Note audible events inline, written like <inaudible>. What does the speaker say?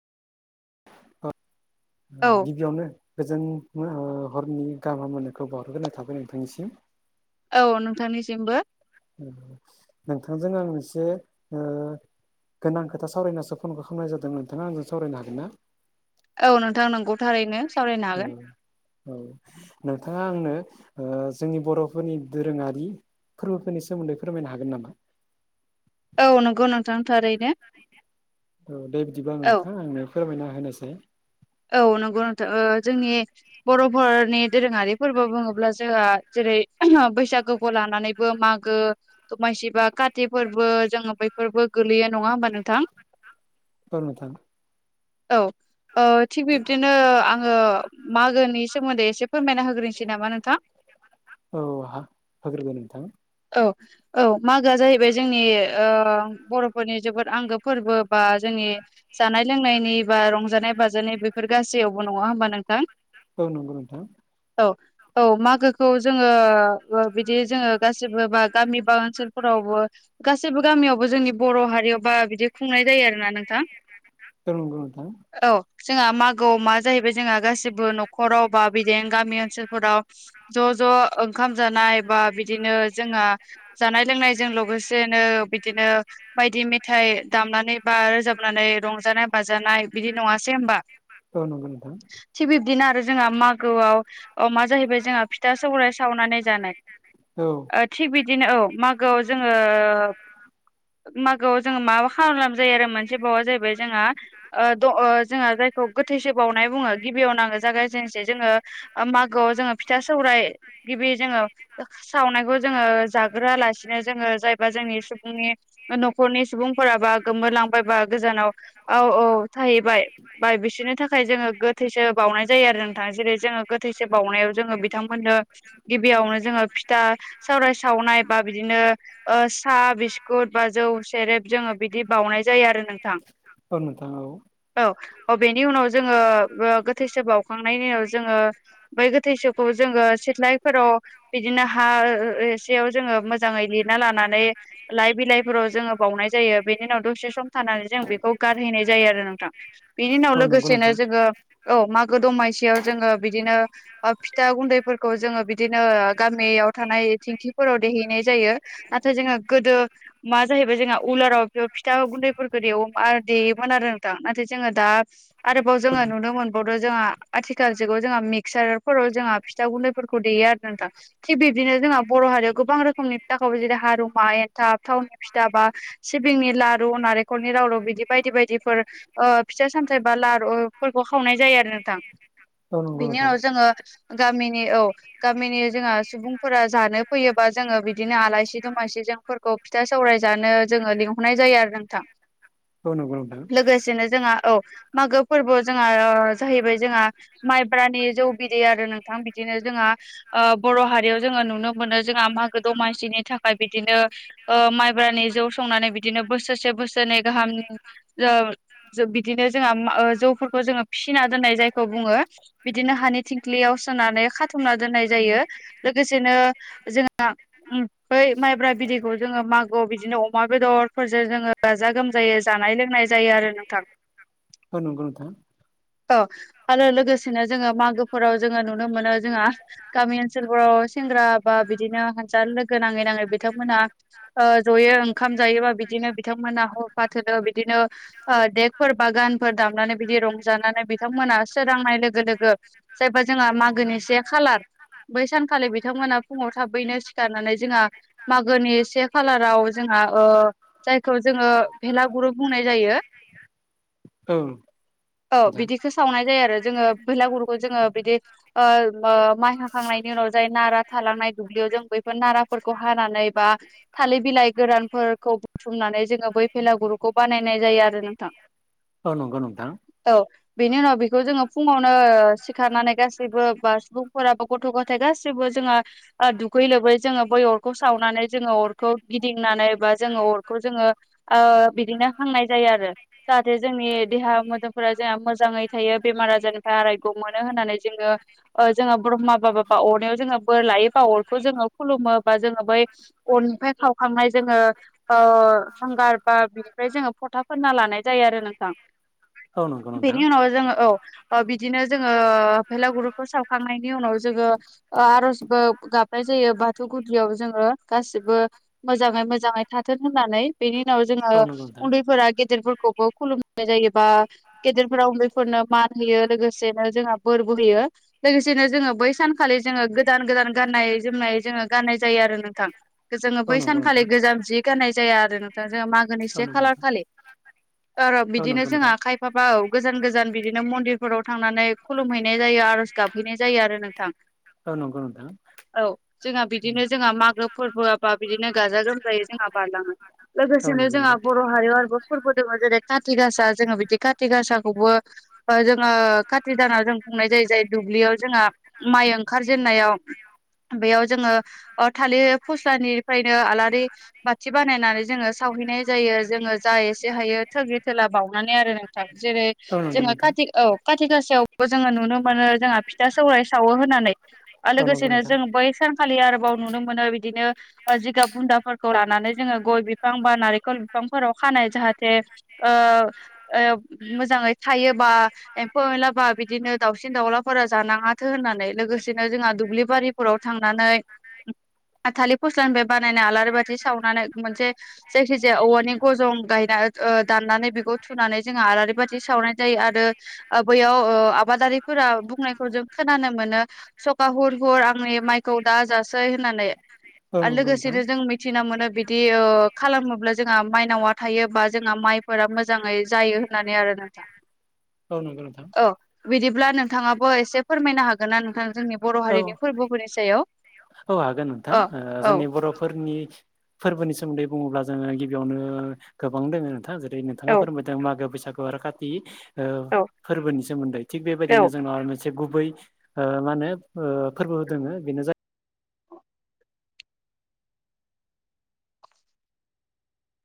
कत ओ औ गिबियावनो गोजोन ओ हरनि गाहाम हामलायनायखौ बारहग्रोनाय थाबाय नोंथांनिसिम। औ नोंथांनिसिमबो। ओ नोंथांजों आं एसे ओ गोनां खोथा सरायनासो फनखौ खालामनाय जादोंमोन नोंथाङा आंजों सावरायनो हागोन ना? औ नोंथां नोंगौ थारैनो सावरायनो औ हागोन। औ नोंथांङा आंनो जोंनि बर'फोरनि दोरोङारि फोरनि सोमोन्दै फोरमायनो हागोन नामा औ नंगौ नोंथांथारै थारैनो औ दे बिदिब्ला औ नोंथां आंनो फोरमायना होनोसै। औ नंगौ नोंथ ओ जोंनि बर'फोरनि दोरोङारि फोरबो बुङोब्ला जोंहा जेरै बैसागोखौ लानानैबो मागो दमासिबा कति फोरबो जोंङो बैफोरबो गोलैयो नङा होमबा नोंथां। औ नोंथां। औ औ। थिग बिब्दिनो आङो मागोनि सोमोन्दै एसे फोरमायना होग्रोनसै नामा नोंथां। औ हा <unintelligible> नोंथां। औ। औ मागोआ जाहैबाय जोंनि ओ बर'फोरनि जोबोद आंगो फोरबो बा जोंनि जानाय लोंनायनि बा रंजानाय बाजानाय बेफोर गासैयावबो नङा होमबा नोंथां औ नंगौ नोंथां। औ औ मागोखौ जोंङो ओ बिदि जोंङो गासिबो बा गामि बा ओनसोलफोरावबो गासै गासिबो गामियावबो जोंनि बर' हारियाव बा बिदि खुंनाय जायो आरोना नोंथां। ओं नंगौ नोंथां। औ जोंहा मागोआव मा जाहैबाय जोंहा गासिबो न'खराव बा बिदि गामि ओनसोलफोराव ज' ज' ओंखाम जानाय बा बिदिनो जोंहा जानाय लोंनायजों लोगोसेनो बिदिनो बायदि मेथाइ दामनानै बा रोजाबनानै रंजानाय बाजानाय बिदि नङासै होमबा। ओ नंगौ नोंथां। थिग बिब्दिनो आरो जोंहा मागोआव अ मा जाहैबाय जोंहा फिथा सौराय सावनानै जानाय। औ। ओ थिग बिबदिनो औ मागोआव जोंङो मागोआव जोङो माबा खालाम जायो आरो मोनसे बावआ जाहैबाय जोंहा ओ द जोंहा जायखौ गोथैसो बावनाय बुङो गिबियावनो आङो जागायजेननोसै जोङो ओ मागोआव जोङो फिथा सौराय गिबि जोङो सावनायखौ जोङो जाग्रोआलासिनो जोङो जायबा जोंनि सुबुंनि न'खरनि सुबुंफोराबा गोमोर लांबाय बा गोजानाव औ औ थाहैबाय बाय बिसोरनि थाखाय जोंङो गोथैसो बावनाय जायो आरो नोंथां जेरै जोङो गोथैसो बावउनायाव जोंङो बिथांमोननो गिबियावनो जोङो फिथा सावराय सावनाय बा बिदिनो ओ साहा बिस्कुट बा जौ सेरेब जोङो बिदि बानाय जायो आरो नोंथां। औ नोंथां औ। औ औ बेनि उनाव जोङो गोथैसो बावखांनायनि उनाव जोङो बै गोथैसोखौ जोङो सिथ्लायफोराव बिदिनो हा एसेयाव जोङो मोजाङै लिरना लानानै लाइ बिलाइफोराव जोङो बावनाय जायो बेनि उनाव दसे सम थानानै जों बेखौ गारहैनाय जायो आरो नोंथां। बिनि उनाव औ नंगौ लोगोसेनो नोंथां जोङो औ मागो दमासियाव जोङो बिदिनो ओ फिथा गुन्दैफोरखौ जोङो बिदिनो गामियाव थानाय थेंखिफोराव देहैनाय जायो नाथाय जोङो गोदो मा जाहैबाय जोंहा उलाराव बे फिथा गुन्दैफोरखौ देवोम देयोमोन आरो नोंथां नाथाय जोङो दा आरोबाव जोङो नुनो मोनबावदो जोंहा आथिखाल जुगाव जोंहा मिक्सारफोराव जोंहा फिथा गुन्दैफोरखौ देया आरोना नोंथां थिग बिब्दिनो जोंहा बर' हारियाव गोबां रोखोमनि फिथा खावो जेरै हारमा एन्थाब थावनि फिथा बा सिबिंनि लारु नारेंखलनि रावल' बिदि बायदि बायदिफोर फिथाइ सामथाइ बा लारुफोरखौ खावनाय जायो आरो नोंथां औ नंगौ बिनि नोंथां उनाव जोङो गामिनि औ गामिनि जोंहा सुबुंफोरा जानो फैयोबा जोङो बिदिनो आलासि दमासि जोंफोरखौ फिथा सौराय जानो जोङो लिंहर नाय जायो आरो नोंथां औ नंगौ नोंथां लोगोसेनो जोंहा औ। मागो फोरबोआव जोंहा जाहैबाय जोंहा माइब्रानि जौ बिदै आरो नोंथां बिदिनो जोंहा बर' हारियाव जोङो नुनो मोनो जोंहा मागो दमासिनि थाखाय बिदिनो माइब्रानि जौ संनानै बिदिनो बोसोरसे बोसोरनै गाहाम बिदिनो जोंहा जौफोरखौ जोङो फिसिना दोननाय जायखौ बुङो बिदिनो हानि थिंख्लियाव सोनानै खाथुमना दोननाय जायो। लोगोसेनो जोंहा ओमफै माइब्रा बिदैखौ जोङो मागो बिदिनो अमा बेदरफोरजों जोङो गाजा गोमजै जानाय लोंनाय जायो आरो नोंथां ख न गथा औ आरो लोगोसेनो जोङो मागोफोराव जोङो नुनो मोनो जोंहा गामि ओनोल ओनसोलफोराव सेंग्रा बा बिदिनो हानजा लोगो नाङै नाङै बिथांमोनहा जयै ओंखाम जायोबा बिदिनो बिथांमोना हर फाथो बिदिनो देगफोर बागानफोर दामनानै बिदि रंजानानै बिथांमोना सोरांनाय लोगो लोगो जायबा जोंहा मागोनि से खालार बै सानखालि बिथांमोना फुङाव थाबैनो सिखारनानै जोंहा मागोनि से खालाराव जोंहा जायखौ जोङो भेलागुरु बुंनाय जायो औ। औ नोंथां बिदिखौो सावनाय जायो आरो जोङो बैलागुरुखौ जोङो बिदि माइ हखांनायनि उनाव जाय नारा थालांनाय दुब्लियाव जों बैफोर नाराफोरखौ हानानै बा थालिर बिलाइ गोरानफोरखौ बुथुमनानै जोङो बै भेला गुरुखौ बानायनाय जायो आरो नोंथां औ नंगौ नोंथां औ बेनि उनाव बेखौ जोङो फुङावनो सिखारनानै गासैबो बा सुबुंफोराबो गथ' गथाय गासिबो जोंङहा दुखै लोबै जोङो बै अरखौ सावनानै जोङो अर खौ गिदिंनानै बा जोङो अरखौ जोङो बिदिनो हांनाय जायो आरो जाहाथे जोंनि देहा मोदोमफोरा जोंहा मोजाङै थायो बेमार आजारनिफ्राय आरायग' मोनो होननानै जोङो जोङो ब्रह्म बाब बा अरनायाव जोङो बोर लायोबा अरखौ जोङो खुलुमो बा जोङो बै अननिफ्राय खावखांनाय जोङो हांगार बा बिनिफ्राय जोङो फथा फोनना लानाय जायो आरो नोंथां। औ नंगौ नोंथां बेनि उनाव जोङो औ। बिदिनो जोङो फेलागुरुखौ सावखांनायनि उनाव जोङो आर'जबो गाबनाय जायो बाथौ गुदियाव जोङो गासिबो मोजाङै मोजाङै थाथों होननानै बेनि उनाव औ जोङो नंगौ नोंथां उन्दैफोरा गेदेरफोरखौबो खुलुमनाय जायोबा गेदेरफोराव उन्दैफोरनो मान होयो लोगोसेनो जोंहा बोर ब होयो लोगोसेनो जोङो बै सानखालि जोङो गोदान गोदान गाननाय जोमनाय जोङो गाननाय जायो आरो नोंथां। जोङो बै सानखालि गोजाम जि गाननाय जाया आरो नोंथां जोङो मागोनि औ से नंगौ खालार नोंथां खालि र' औ बिदिनो नंगौ जोंहा नोंथां खायफा ब गोजान गोजान बिदिनो मन्दिरफोराव थांनानै खुलुमहैनाय जायो आर'ज गाबहैनाय जायो आरो नोंथां औ नंग दा औ जोंहा बिदिनो जोंहा मागो फोरबोआबा बिदिनो गाजा गोमजायै जोंहा बारलाङो। औ लोगोसेनो नंगौ जोंहा नोंथां बर' हारियाव आरोबो फोरबो दङ जेरै खााथिि गासा जोङो बिदि खाथिि गासाखौबो जोङो खाथि दानाव जों बुंनाय जायो जाय दुब्लियाव जोंहा माइ ओंखारजेननायाव बेयाव जोङो थालिर फस्लानिफ्रायनो आलारि बाथि बानायनानै जोङो सावहैनाय जायो जोङो जा एसे हायो थगि थोला बावनानै आरो जेरै औ नंगौ जोङो खा नोंथां औ खाथि गासेायावबो जोङो नुनो मोनो जोंहा फिथा सौराय सावो होननानै औ नंगौ नोंथां औ नंगौ लोगोसेनो जों नोंथां बै सानखालि आरोबाव नुनो मोनो बिदिनो जिगाब बुन्दाफोरखौ लानानै जोङो गय बिफां बा नारेंखल बिफांफोराव खानाय जाहाथे ओ मोजाङै थायोबा एम्फौ एनलाबा बिदिनो दाउसिन दाउलाफोरा जानाङा फाथो होननानै लोगोसेनो जोंहा दुब्लि बारिफोराव थांनानै थालिर फस्लानिफ्राय बानायनाय आलारि बाथि सावनानै मोनसे जायखि जाया औवानि गजं गायना दाननानै बेखौ थुनानै जोंहा आलारि बाथि सावनाय जायो आरो बैयाव आबादारिफोरा बुंनायखौ जों खोनानो मोनो सखा हुर हुर आंनि माइखौ दाजासै होननानै औ आर नंगौ नोंथां लोगोसेनो जों मिथिना मोनो बिदि खालामोब्ला जोंहा माइनावा थायो बा जोंहा माइफोरा मोजाङै जायो होनना नै आरो नोंथा औ नंगौ नोंथां औ बिदिब्ला नोंथाङाबो एसे फोरमायनो हागोन ना नोंथां जोंनि बर' औ हारिनि फोरबोफोरनि सायाव औ हागोन नोंथां अ औ जोंनि बर'फोरनि फोरबोनि सोमोन्दै बुङोब्ला जोङो गिबियावनो गोबां दोङो नोंथाङा जेरै नोंथाङा औ फोरमाय मागो बैसागु आरो खाथि औ फोरबोनि सोमोन्दै थिक औ बेबायदिनो जोंओ से गुबै मा होनो फोरबो दोंओ बेनो ज